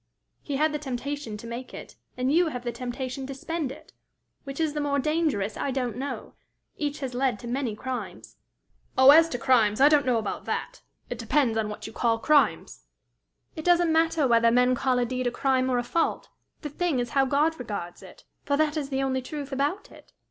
"He had the temptation to make it, and you have the temptation to spend it: which is the more dangerous, I don't know. Each has led to many crimes." "Oh, as to crimes I don't know about that! It depends on what you call crimes." "It doesn't matter whether men call a deed a crime or a fault; the thing is how God regards it, for that is the only truth about it.